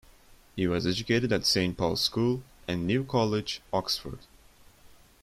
He was educated at Saint Paul's School, and New College, Oxford.